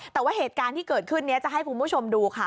แต่ว่าเหตุการณ์ที่เกิดขึ้นนี้จะให้คุณผู้ชมดูค่ะ